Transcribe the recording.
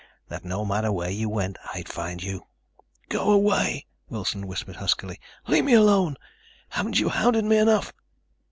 That no matter where you went, I'd find you?" "Go away," Wilson whispered huskily. "Leave me alone. Haven't you hounded me enough?"